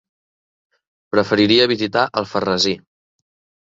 Preferiria visitar Alfarrasí.